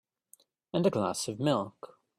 And a glass of milk.